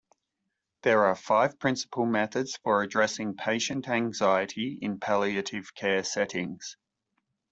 There are five principal methods for addressing patient anxiety in palliative care settings.